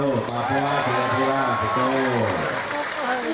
ibu kota provinsi jawa barat bandung